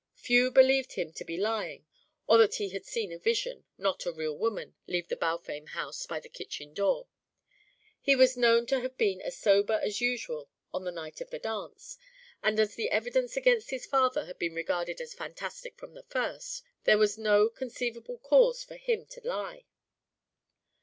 Few believed him to be lying or that he had seen a vision, not a real woman, leave the Balfame house by the kitchen door. He was known to have been as sober as usual on the night of the dance, and as the evidence against his father had been regarded as fantastic from the first, there was no conceivable cause for him to lie.